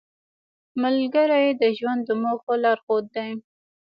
ملګری د ژوند د موخو لارښود دی